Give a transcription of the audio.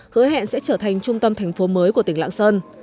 hứa hẹn sẽ trở thành trung tâm thành phố mới của tỉnh lạng sơn